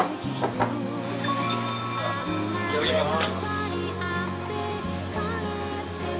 いただきます。